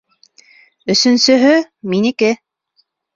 Өсөнсөһө минеке.